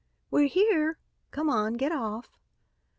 "We're here. Come on, get off."